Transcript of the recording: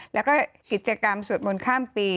แล้วก็กิจกรรมสวดมนต์ข้ามปี